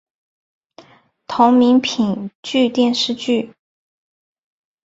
同名评剧电视剧